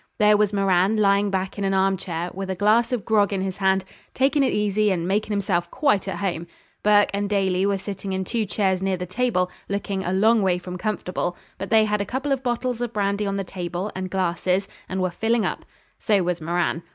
There was Moran lying back in an arm chair, with a glass of grog in his hand, takin' it easy and makin' himself quite at home. Burke and Daly were sitting in two chairs near the table, looking a long way from comfortable; but they had a couple of bottles of brandy on the table and glasses, and were filling up. So was Moran.